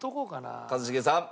一茂さん。